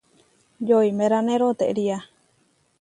Yoimeráne rotería.